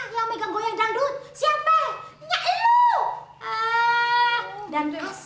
celeng celeng dah lo be